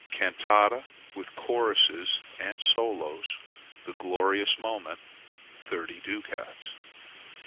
Cantata with Choruses and Solos ["The Glorious Moment"], 30 ducats.